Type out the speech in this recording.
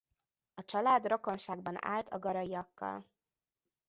A család rokonságban állt a Garaiakkal.